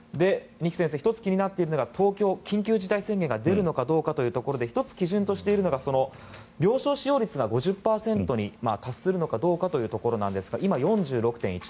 二木先生１つ気になっているのが東京は緊急事態宣言が出るのかどうかということで１つ基準としているのが病床使用率が５０％に達するのかどうかというところですが今、４６．１％。